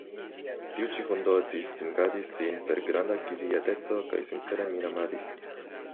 Tiu ĉi hundo distingadis sin per granda kvieteco kaj sincere min amadis.